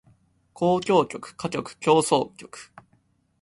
交響曲歌曲協奏曲